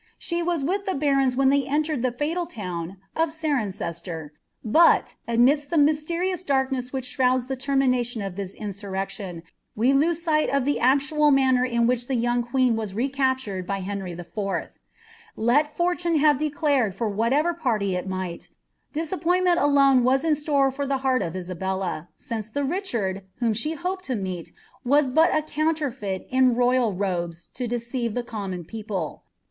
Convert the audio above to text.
She wm wkb di buruns when they entered the fatal town uf Cirencester; bui. amiikltta mysterious durluie.ss which shruuds the termination of Uiis insnnwtida, wc lose sight of the actual manner in which the young qiit^n «« n captured by Henry IV. Let fortune have declared fur wluitcvsr ptrtyil might, disappoiiiiinent alone was in store for the heart of l^wlk, ma the Ricltanl, whom she hoped to meet, was but a counterfeit ia nml robes to deceive the common people.